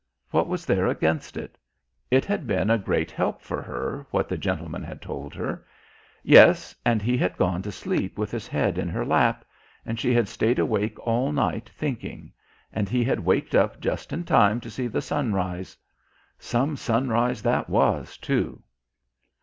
What was there against it? It had been a great help for her what the gentleman had told her... Yes, and he had gone to sleep with his head in her lap... and she had stayed awake all night thinking... and he had waked up just in time to see the sun rise. Some sunrise that was, too.